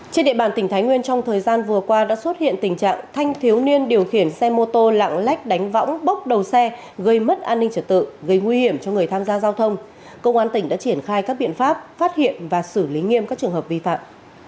trên địa bàn tỉnh thái nguyên trong thời gian vừa qua đã xuất hiện tình trạng thanh thiếu niên điều khiển xe mô tô lạng lách đánh võng bốc đầu xe gây mất an ninh trật tự gây nguy hiểm cho người tham gia giao thông công an tỉnh đã triển khai các biện pháp phát hiện và xử lý nghiêm các trường hợp vi phạm